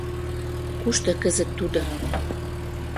— Кушто кызыт тудо?